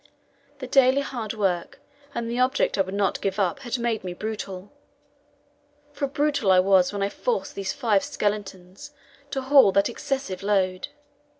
The daily hard work and the object I would not give up had made me brutal, for brutal I was when I forced those five skeletons to haul that excessive load.